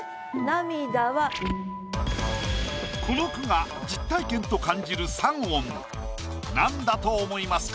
この句が実体験と感じる３音なんだと思いますか？